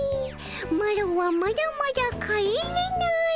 マロはまだまだ帰れない」。